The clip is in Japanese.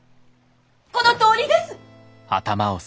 このとおりです！